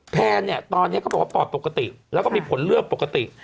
แนนเนี่ยตอนนี้เขาบอกว่าปอดปกติแล้วก็มีผลเลือดปกติ